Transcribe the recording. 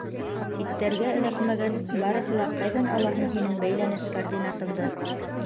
Ситтәргә эләкмәгәс, барыһы ла ҡайҙан ала һуң һинең бәйләнеш координатаңды?!